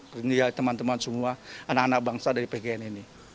sehingga teman teman semua anak anak bangsa dari pgn ini